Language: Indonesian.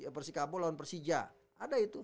persikapu lawan persija ada itu